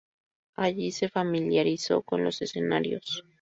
Allí se familiarizó con los escenarios.